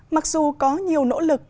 mặc dù có nhiều nỗ lực